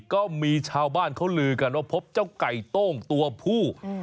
ก็มีชาวบ้านเขาลือกันว่าพบเจ้าไก่โต้งตัวผู้